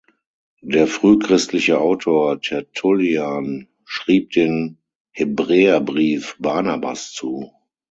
Der frühchristliche Autor Tertullian schrieb den Hebräerbrief Barnabas zu.